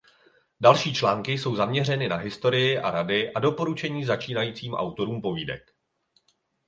Další články jsou zaměřeny na historii a rady a doporučení začínajícím autorům povídek.